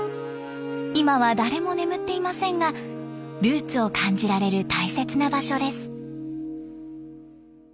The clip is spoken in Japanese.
今は誰も眠っていませんがルーツを感じられる大切な場所です。